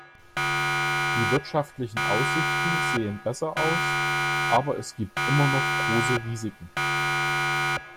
Die wirtschaftlichen Aussichten sehen besser aus, aber es gibt immer noch große Risiken.